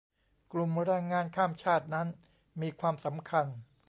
กลุ่มแรงงานข้ามชาตินั้นมีความสำคัญ